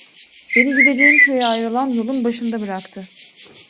Beni gideceğim köye ayrılan yolun başında bıraktı.